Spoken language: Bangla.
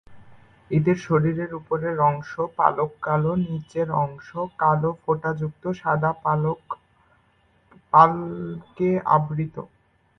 এদের শরীরের উপরের অংশের পালক কালো, নিচের অংশ কালো ফোঁটা যুক্ত সাদা পালকে আবৃত।